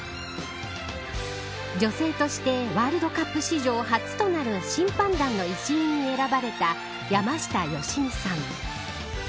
女性としてワールドカップ史上初となる審判団の一員に選ばれた山下良美さん。